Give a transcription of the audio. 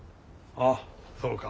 ああそうか。